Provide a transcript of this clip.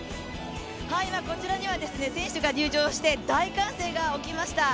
こちらには選手が入場して大歓声が起きました。